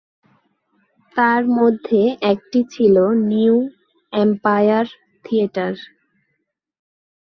তার মধ্যে একটি ছিল নিউ এম্পায়ার থিয়েটার।